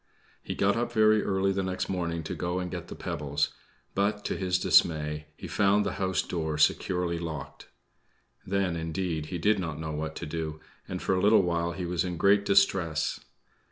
He got up very early the next morning to go and get the pebbles; but, to his dismay, he found the house door securely locked. Then, indeed, he did not know what to do, and for a little while he was in great distress.